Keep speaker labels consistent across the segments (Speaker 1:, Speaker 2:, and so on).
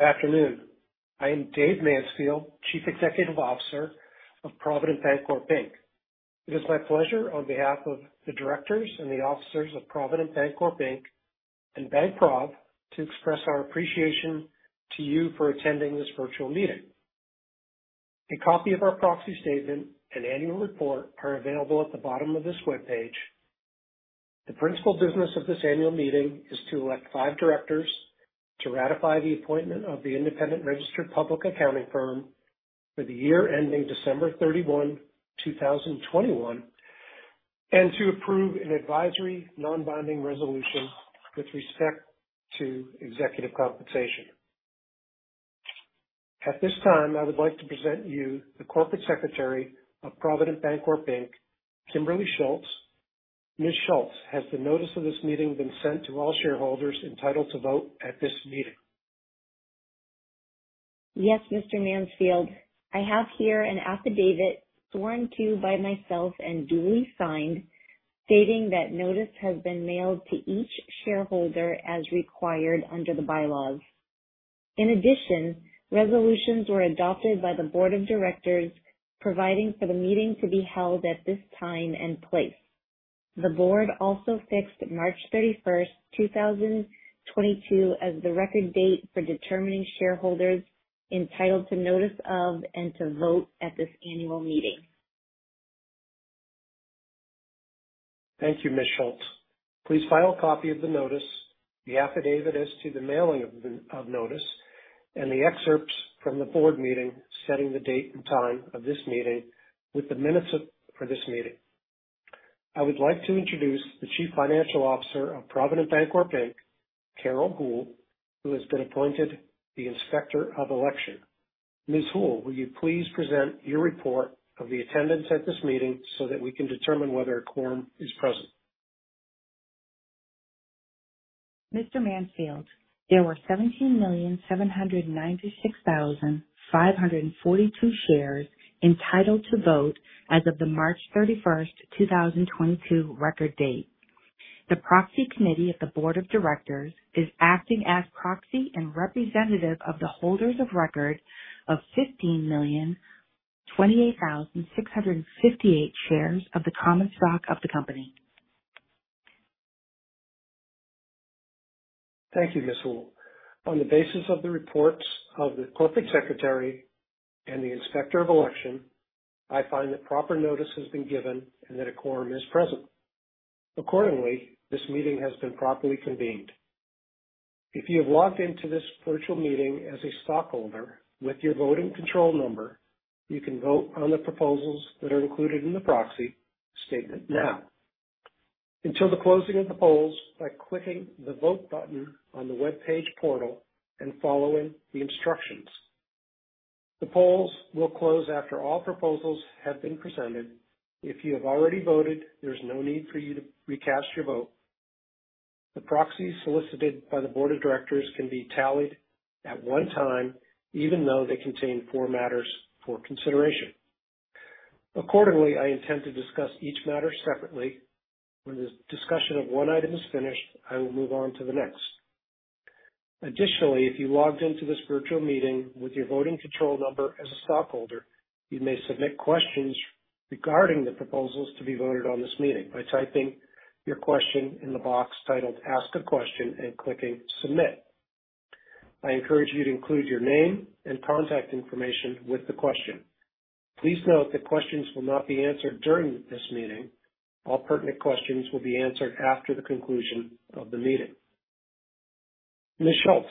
Speaker 1: Afternoon. I am Dave Mansfield, Chief Executive Officer of Provident Bancorp, Inc. It is my pleasure on behalf of the directors and the officers of Provident Bancorp, Inc. and BankProv to express our appreciation to you for attending this virtual meeting. A copy of our proxy statement and annual report are available at the bottom of this webpage. The principal business of this annual meeting is to elect five directors, to ratify the appointment of the independent registered public accounting firm for the year ending December 31, 2021, and to approve an advisory non-binding resolution with respect to executive compensation. At this time, I would like to present you the Corporate Secretary of Provident Bancorp, Inc., Kimberly Scholtz. Ms. Scholtz, has the notice of this meeting been sent to all shareholders entitled to vote at this meeting?
Speaker 2: Yes, Mr. Mansfield. I have here an affidavit sworn to by myself and duly signed, stating that notice has been mailed to each shareholder as required under the bylaws. In addition, resolutions were adopted by the board of directors, providing for the meeting to be held at this time and place. The board also fixed March thirty-first, two thousand and twenty-two, as the record date for determining shareholders entitled to notice of and to vote at this annual meeting.
Speaker 1: Thank you, Ms. Scholtz. Please file a copy of the notice, the affidavit as to the mailing of notice, and the excerpts from the board meeting, setting the date and time of this meeting with the minutes for this meeting. I would like to introduce the Chief Financial Officer of Provident Bancorp, Inc., Carol L. Houle, who has been appointed the Inspector of Election. Ms. Houle, will you please present your report of the attendance at this meeting so that we can determine whether a quorum is present?
Speaker 3: Mr. Mansfield, there were 17,796,542 shares entitled to vote as of the March 31, 2022 record date. The proxy committee of the board of directors is acting as proxy and representative of the holders of record of 15,028,658 shares of the common stock of the company.
Speaker 1: Thank you, Ms. Houle. On the basis of the reports of the corporate secretary and the Inspector of Election, I find that proper notice has been given and that a quorum is present. Accordingly, this meeting has been properly convened. If you have logged into this virtual meeting as a stockholder with your voting control number, you can vote on the proposals that are included in the proxy statement now until the closing of the polls by clicking the Vote button on the web page portal and following the instructions. The polls will close after all proposals have been presented. If you have already voted, there's no need for you to recast your vote. The proxies solicited by the board of directors can be tallied at one time, even though they contain four matters for consideration. Accordingly, I intend to discuss each matter separately. When the discussion of one item is finished, I will move on to the next. Additionally, if you logged into this virtual meeting with your voting control number as a stockholder, you may submit questions regarding the proposals to be voted on this meeting by typing your question in the box titled Ask a Question and clicking Submit. I encourage you to include your name and contact information with the question. Please note that questions will not be answered during this meeting. All pertinent questions will be answered after the conclusion of the meeting. Ms. Scholtz,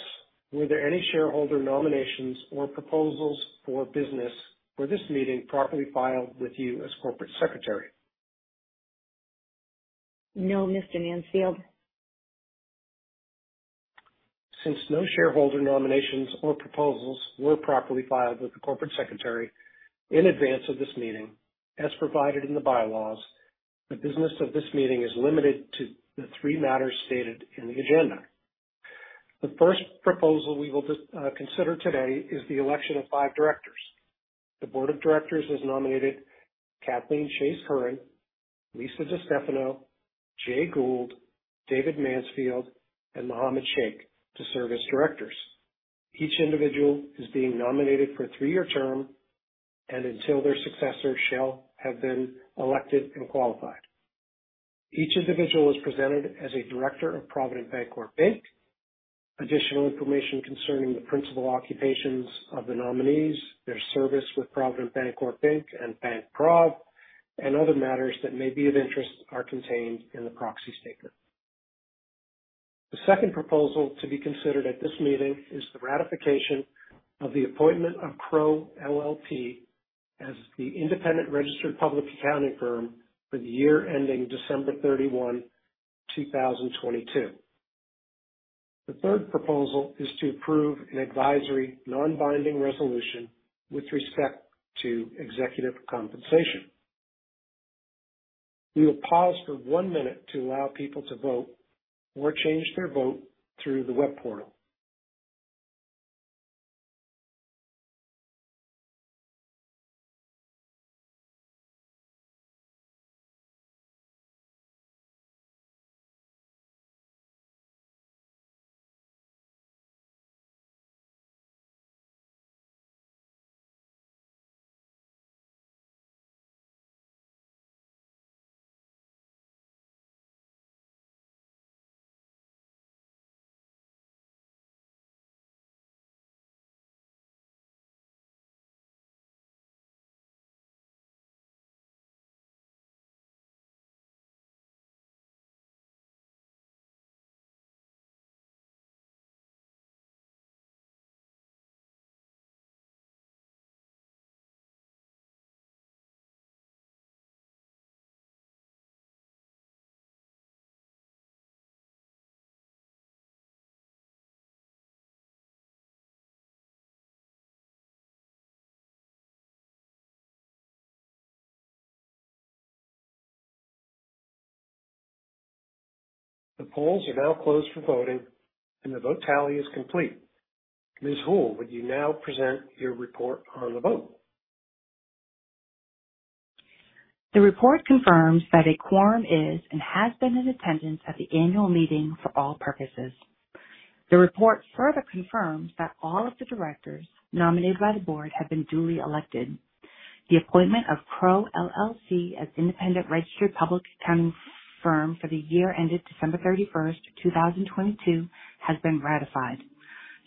Speaker 1: were there any shareholder nominations or proposals for business for this meeting properly filed with you as corporate secretary?
Speaker 2: No, Mr. Mansfield.
Speaker 1: Since no shareholder nominations or proposals were properly filed with the corporate secretary in advance of this meeting, as provided in the bylaws, the business of this meeting is limited to the three matters stated in the agenda. The first proposal we will consider today is the election of five directors. The Board of Directors has nominated Kathleen Chase-Curran, Lisa B. DiStefano, Jay E. Gould, David P. Mansfield, and Mohammad Ali Shaikh to serve as directors. Each individual is being nominated for a three-year term and until their successor shall have been elected and qualified. Each individual is presented as a director of Provident Bancorp, Inc. Additional information concerning the principal occupations of the nominees, their service with Provident Bancorp, Inc. and BankProv, and other matters that may be of interest are contained in the proxy statement. The second proposal to be considered at this meeting is the ratification of the appointment of Crowe LLP as the independent registered public accounting firm for the year ending December 31, 2022. The third proposal is to approve an advisory, non-binding resolution with respect to executive compensation. We will pause for one minute to allow people to vote or change their vote through the web portal. The polls are now closed for voting and the vote tally is complete. Ms. Hall, would you now present your report on the vote?
Speaker 3: The report confirms that a quorum is and has been in attendance at the annual meeting for all purposes. The report further confirms that all of the directors nominated by the board have been duly elected. The appointment of Crowe LLP as independent registered public accounting firm for the year ended December thirty-first, two thousand and twenty-two, has been ratified.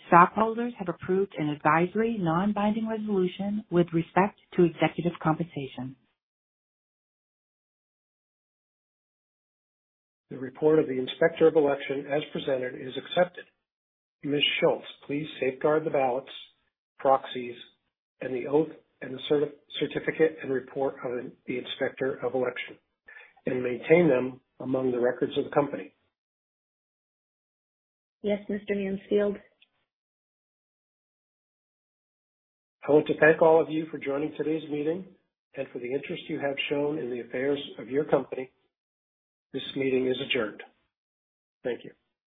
Speaker 3: Stockholders have approved an advisory non-binding resolution with respect to executive compensation.
Speaker 1: The report of the Inspector of Election as presented is accepted. Ms. Schultz, please safeguard the ballots, proxies, and the oath and the certificate and report of the Inspector of Election and maintain them among the records of the company.
Speaker 2: Yes, Mr. Mansfield.
Speaker 1: I want to thank all of you for joining today's meeting and for the interest you have shown in the affairs of your company. This meeting is adjourned. Thank you.